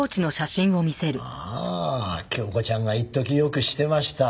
ああ京子ちゃんが一時よくしてました。